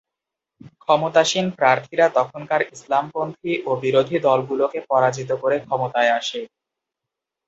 ক্ষমতাসীন প্রার্থীরা তখনকার ইসলামপন্থী ও বিরোধী দলগুলোকে পরাজিত করে ক্ষমতায় আসে।